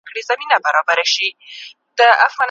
امتياز يې د وهلو کُشتن زما دی